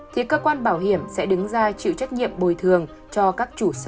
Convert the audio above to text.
thì cơ quan bảo hiểm sẽ đứng ra chịu trách nhiệm bồi thường cho các chủ sở hữu